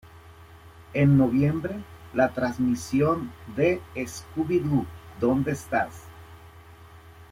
En noviembre, la transmisión de "¿Scooby-Doo dónde estás?